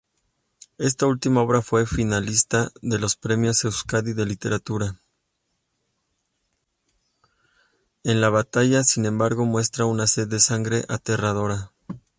En la batalla, sin embargo, muestra una sed de sangre aterradora.